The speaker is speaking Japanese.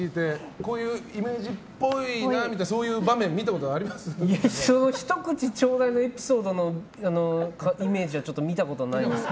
こういうイメージっぽいなっていう場面ひと口ちょうだいエピソードのイメージは見たことないですね。